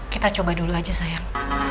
kita coba dulu aja sayang